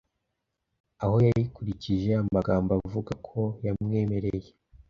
aho yayikurikije amagambo avuga ko yamwemereye